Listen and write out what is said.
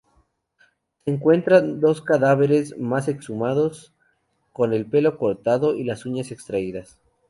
Se encuentran dos cadáveres más exhumados, con el pelo cortado y las uñas extraídas.